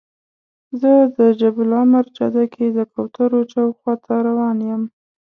زه د جبل العمر جاده کې د کوترو چوک خواته روان یم.